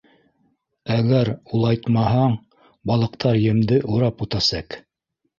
Әгәр улайтмаһаң, балыҡтар емде урап үтәсәк.